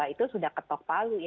itu sudah ketok palu